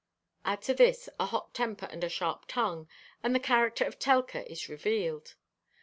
Add to this a hot temper and a sharp tongue, and the character of Telka is revealed.